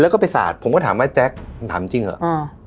แล้วก็ไปสาดผมก็ถามว่าแจ๊คถามจริงเหรอ